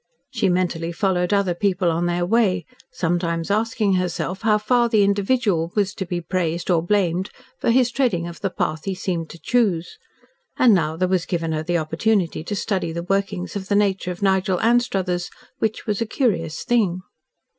She mentally followed other people on their way, sometimes asking herself how far the individual was to be praised or blamed for his treading of the path he seemed to choose. And now there was given her the opportunity to study the workings of the nature of Nigel Anstruthers, which was a curious thing.